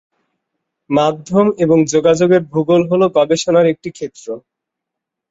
মাধ্যম এবং যোগাযোগের ভূগোল হল গবেষণার একটি ক্ষেত্র।